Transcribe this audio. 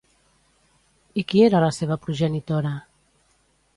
I qui era la seva progenitora?